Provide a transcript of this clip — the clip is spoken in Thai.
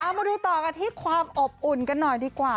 มาดูต่อกันที่ความอบอุ่นกันหน่อยดีกว่า